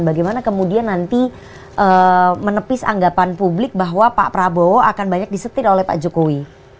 bagaimana kemudian nanti menepis anggapan publik bahwa pak prabowo akan banyak disetir oleh pak jokowi